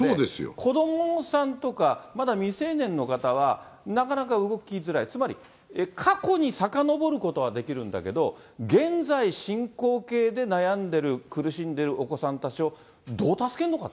子どもさんとか、まだ未成年の方はなかなか動きづらい、つまり過去にさかのぼることはできるんだけど、現在進行形で悩んでいる、苦しんでいるお子さんたちをどう助けるのかと。